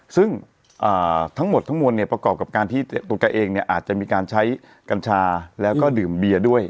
ซึ่งทั้งหมดทั้งมวลเนี่ยประกอบกับการที่ตัวแกเองเนี่ยอาจจะมีการใช้กัญชาแล้วก็ดื่มเบียร์ด้วย